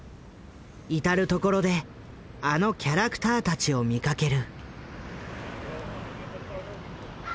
至る所であのキャラクターたちを見かける。